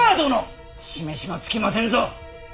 示しがつきませんぞ。